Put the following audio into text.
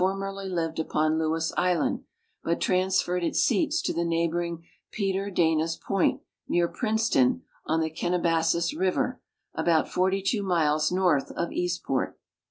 merly lived upon Lewis island, but transferred its seats to the neighboring Peter Dana's point, near Princeton, on the Kenne bassis river, about 42 miles north of Eastport.